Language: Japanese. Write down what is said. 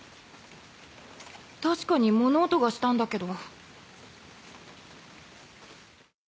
確かに物音がしたんだけど。